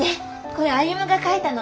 これ歩が描いたの。